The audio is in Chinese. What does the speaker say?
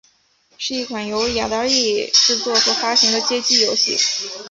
是一款由雅达利制作和发行的街机游戏。